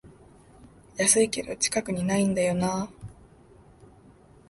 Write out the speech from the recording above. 安いけど近くにないんだよなあ